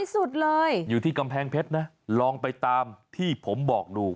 สุดเลยอยู่ที่กำแพงเพชรนะลองไปตามที่ผมบอกดู